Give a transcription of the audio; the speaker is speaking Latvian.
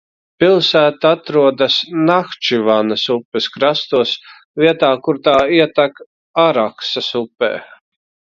Pilsēta atrodas Nahčivanas upes krastos, vietā, kur tā ietek Araksas upē.